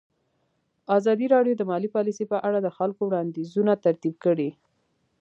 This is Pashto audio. ازادي راډیو د مالي پالیسي په اړه د خلکو وړاندیزونه ترتیب کړي.